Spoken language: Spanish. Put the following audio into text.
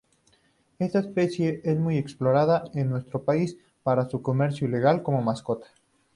Esta especie es muy explotada en nuestro país para su comercio ilegal como mascota.